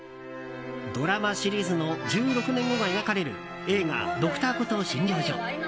ドラマシリーズの１６年後が描かれる映画「Ｄｒ．コトー診療所」。